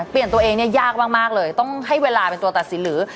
เปลี่ยนตัวเองเนี่ยยากมากเลยต้องให้เวลาเป็นตัวตัดสินหรือ